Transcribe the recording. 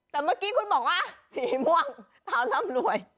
แต่เมื่อกี้คุณบอกว่าสีม่วงเท้าร่ำรวย